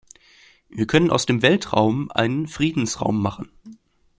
Wir können aus dem Weltraum einen Friedensraum machen.